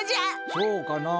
そうかな。